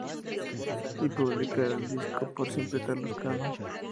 Y publica el disco "Por siempre Carlos Cano.